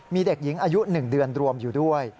มีเด็กหญิงอายุ๑เดือนรวมอยู่ด้วย